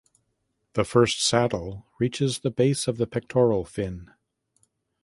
The first saddle reaches the base of the pectoral fin.